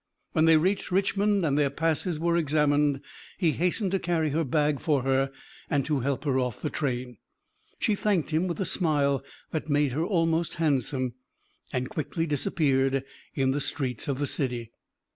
When they reached Richmond and their passes were examined, he hastened to carry her bag for her and to help her off the train. She thanked him with a smile that made her almost handsome, and quickly disappeared in the streets of the city.